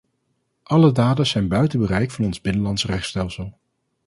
Alle daders zijn buiten bereik van ons binnenlandse rechtsstelsel.